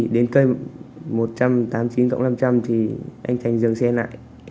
cây một trăm tám mươi chín tổng năm trăm linh thì anh thành dừng xe lại